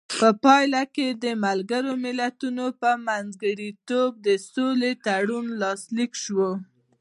په پایله کې د ملګرو ملتونو په منځګړیتوب د سولې تړون لاسلیک شو.